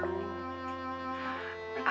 ame jabang bayi lo